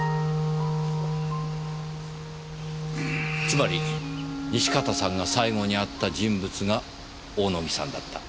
つまり西片さんが最後に会った人物が大野木さんだった。